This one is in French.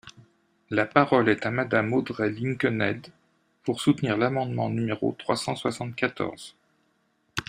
La parole est à Madame Audrey Linkenheld, pour soutenir l’amendement numéro trois cent soixante-quatorze.